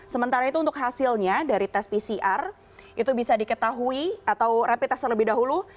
sementara itu untuk hasilnya dari tes pcr itu bisa diketahui atau rapid test terlebih dahulu